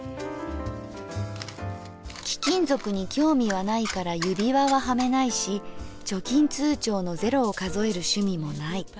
「貴金属に興味はないから指輪ははめないし貯金通帳の０を数える趣味もない。